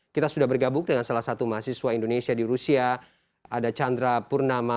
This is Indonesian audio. kita sudah bergabung dengan salah satu mahasiswa indonesia di rusia ada chandra purnama